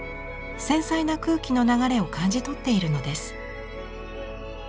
繊細な空気の流れを感じとっているのです。